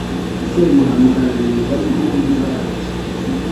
semuhanuka arabireba, niko kuvuga ati